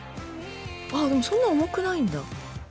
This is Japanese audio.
あっでもそんな重くないんだ。